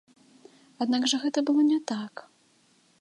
Аднак жа гэта было не так.